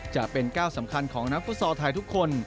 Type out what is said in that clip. จะเป็นก้าวสำคัญของนักฟุตซอลไทยทุกคน